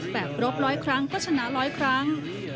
แบบรบร้อยครั้งก็ชนะ๑๐๐ครั้ง